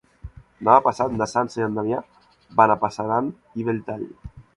Demà passat na Sança i en Damià van a Passanant i Belltall.